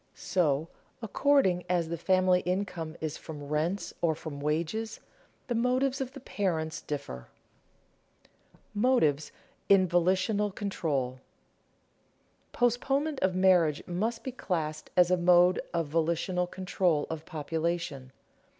So, according as the family income is from rents or from wages, the motives of the parents differ. [Sidenote: Motives in volitional control] Postponement of marriage must be classed as a mode of volitional control of population.